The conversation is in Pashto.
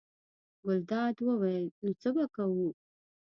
ګلداد وویل: نو څه به کوو.